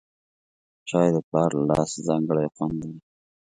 چای د پلار له لاسه ځانګړی خوند لري